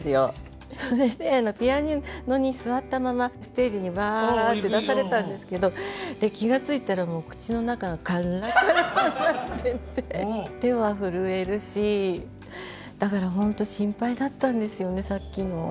それでピアノに座ったままステージにわって出されたんですけど気が付いたらもう口の中がカラカラになっていて手は震えるしだからほんと心配だったんですよねさっきの。